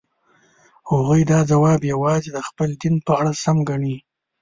هغوی دا ځواب یوازې د خپل دین په اړه سم ګڼي.